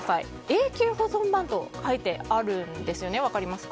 永久保存版と書いてあるんです。